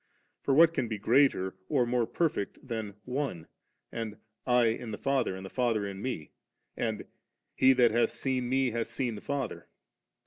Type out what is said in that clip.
For what can be greater or more perfect than * One,' and * I in the Father and the Father in Me,' and * He that hath seen Me, hath seen the Father?'